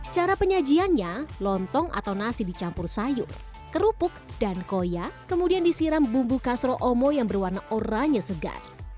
cara penyajiannya lontong atau nasi dicampur sayur kerupuk dan koya kemudian disiram bumbu kasro omo yang berwarna oranye segar